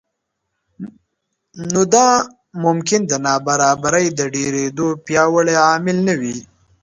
نو دا ممکن د نابرابرۍ د ډېرېدو پیاوړی عامل نه وي